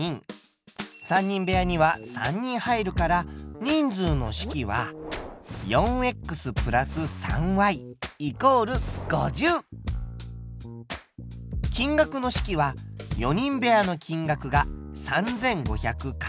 ３人部屋には３人入るから人数の式は金額の式は４人部屋の金額が３５００×。